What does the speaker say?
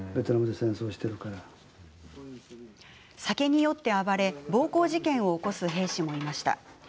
酒に酔って暴れ暴行事件を起こす兵士もいました。